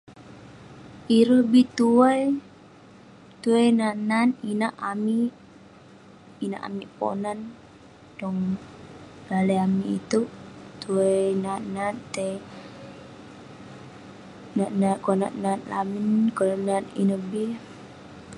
Ireh bi tuwai, tuwai nat nat inak amik..inak amik ponan..tong daleh amik itouk..tuwai nat nat, tai nat nat konak nat lamin, konak nat ineh bi..